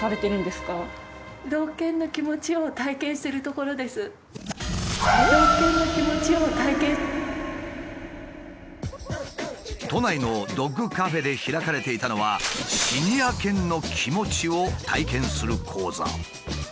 これは都内のドッグカフェで開かれていたのはシニア犬の気持ちを体験する講座。